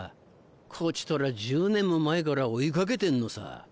こちとら１０年も前から追い掛けてんのさ。